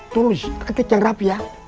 tulus ketik yang rapi ya